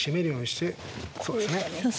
そうですね。